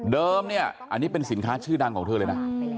เนี่ยอันนี้เป็นสินค้าชื่อดังของเธอเลยนะ